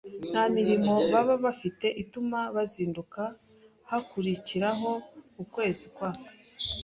nta mirimo baba bafite ituma bazinduka Hakurikiraho ukwezi kwa